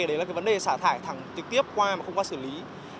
đấy là cái vấn đề xả thải thẳng trực tiếp qua mà không qua xử lý